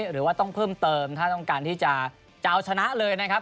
หรือว่าต้องเพิ่มเติมถ้าต้องการที่จะเอาชนะเลยนะครับ